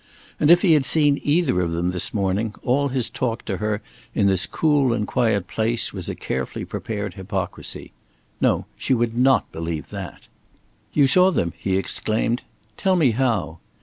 And if he had seen either of them this morning, all his talk to her in this cool and quiet place was a carefully prepared hypocrisy. No, she would not believe that. "You saw them?" he exclaimed. "Tell me how."